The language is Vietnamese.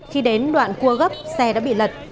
khi đến đoạn cua gấp xe đã bị lật